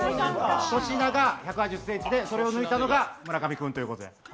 粗品が１８０ｃｍでそれを抜いたのが村上君ということで。